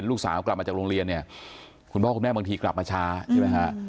ลูกสาวกลับมาจากโรงเรียนเนี่ยคุณพ่อคุณแม่บางทีกลับมาช้าใช่ไหมฮะ